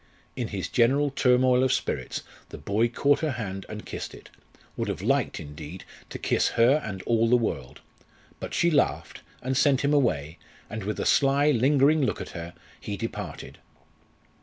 In his general turmoil of spirits the boy caught her hand and kissed it would have liked, indeed, to kiss her and all the world. But she laughed, and sent him away, and with a sly, lingering look at her he departed.